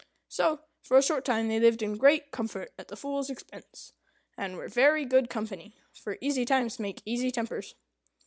So, for a short time, they lived in great comfort at the Fool's expense, and were very good company; for easy times make easy tempers.